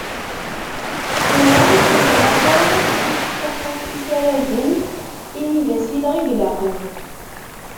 Tura, ur ilaq ara ad nesṭuqqut isaragen, imi d asileɣ i ilaqen.